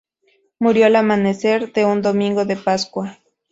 Murió al amanecer de un domingo de Pascua.